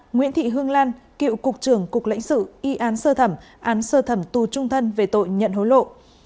nguyễn thị hương lan cựu cục trưởng cục lãnh sự y án sơ thẩm án sơ thẩm tù trung thân về tội nhận hối lộ